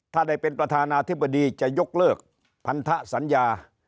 ถ้าได้เป็นประธานาธิบดีจะยกเลิกพันธสัญญา